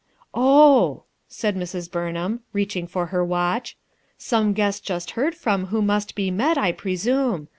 "Oh," said Mrs. Burnham, reaching for her watch. "Some guest just heard from who must be met, I presume.